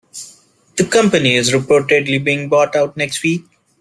The company is reportedly being bought out next week.